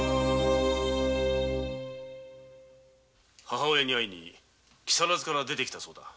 母親に会いに木更津から出て来たそうだ。